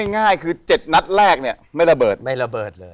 ง่ายคือ๗นัดแรกเนี่ยไม่ระเบิดไม่ระเบิดเลย